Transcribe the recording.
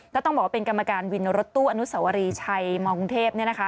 แล้วต้องบอกว่าเป็นกรรมการวินรถตู้อนุสาวรีชัยมองเทพ